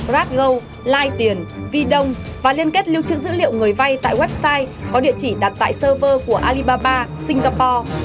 ratgo line tiền vdong và liên kết lưu trữ dữ liệu người vay tại website có địa chỉ đặt tại server của alibaba singapore